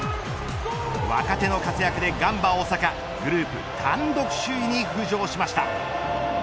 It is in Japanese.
若手の活躍でガンバ大阪グループ単独首位に浮上しました。